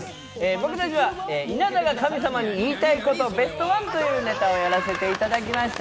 僕たちは稲田が神様に言いたいことベストワンというネタをやらせていただきました。